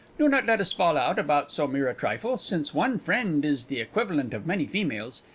Do not let us fall out about so mere a trifle, since one friend is the equivalent of many females.